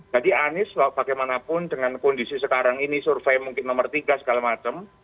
jadi anis bagaimanapun dengan kondisi sekarang ini survei mungkin nomor tiga segala macam